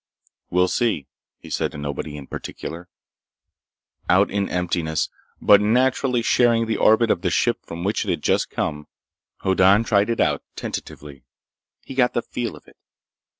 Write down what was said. "We'll see," he said to nobody in particular. Out in emptiness, but naturally sharing the orbit of the ship from which it had just come, Hoddan tried it out tentatively. He got the feel of it.